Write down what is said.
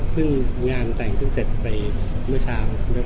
เพิ่งงานแต่งเต้นเสร็จไปเมื่อเช้า